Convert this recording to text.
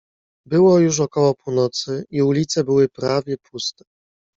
"Było już około północy i ulice były prawie puste."